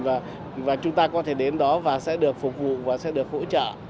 và chúng ta có thể đến đó và sẽ được phục vụ và sẽ được hỗ trợ